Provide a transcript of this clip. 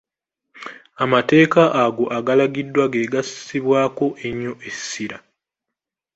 Amateeka ago agalagiddwa ge gassibwako ennyo essira.